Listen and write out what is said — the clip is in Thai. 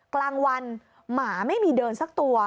กลางวันหมาไม่มีเดินสักตัว